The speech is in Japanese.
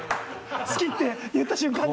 好きって言った瞬間に。